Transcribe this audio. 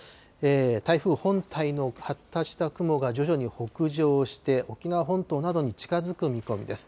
台風本体の発達した雲が徐々に北上して、沖縄本島などに近づく見込みです。